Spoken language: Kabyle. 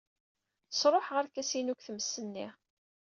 Sṛuḥeɣ arkas-inu deg tmes-nni.